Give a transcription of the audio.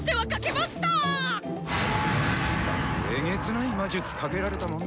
まったくえげつない魔術かけられたもんだぜ。